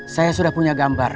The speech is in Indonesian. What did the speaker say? saya sudah punya gambar